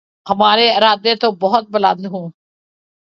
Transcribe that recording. ہمارے ارادے تو بہت بلند ہوں۔